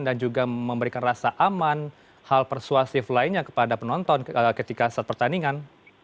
dan juga memberikan rasa aman hal persuasif lainnya kepada penonton ketika saat pertandingan